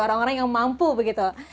orang orang yang mampu begitu